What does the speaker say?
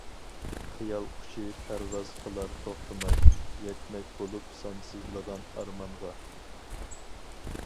خىيال قۇشى پەرۋاز قىلار توختىماي، يەتمەك بولۇپ سانسىزلىغان ئارمانغا.